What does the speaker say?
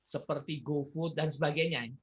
seperti gofood dan sebagainya